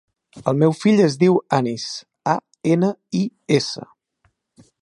El meu fill es diu Anis: a, ena, i, essa.